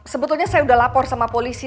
sebetulnya saya sudah lapor sama polisi